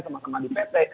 sama sama di pt